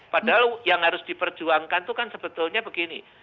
padahal yang harus diperjuangkan itu kan sebetulnya begini